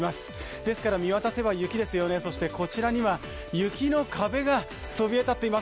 ですから見渡せば雪ですよね、そしてこちらには雪の壁がそびえ立つています。